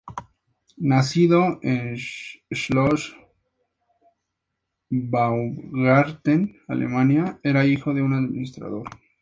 Nacido en Schloss Baumgarten, Alemania, era hijo de un administrador.